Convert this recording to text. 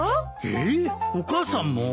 えっお母さんも？